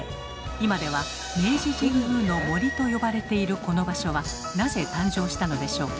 今では明治神宮の「森」と呼ばれているこの場所はなぜ誕生したのでしょうか？